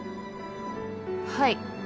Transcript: はい。